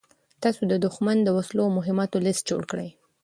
تاسو د دښمن د وسلو او مهماتو لېست جوړ کړئ.